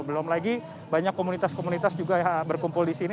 belum lagi banyak komunitas komunitas juga yang berkumpul di sini